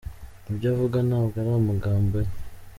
Ibyo avuga ntabwo ari amagambo ye.”